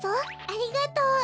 ありがとう。